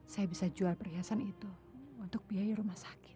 saya bisa jual perhiasan itu untuk biaya rumah sakit